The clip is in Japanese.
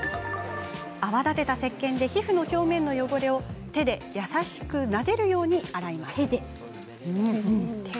泡立てたせっけんで皮膚の表面の汚れを手で優しくなでるように洗います。